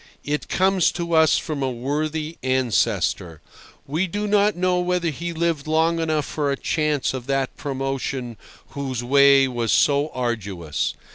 It comes to us from a worthy ancestor. We do not know whether he lived long enough for a chance of that promotion whose way was so arduous.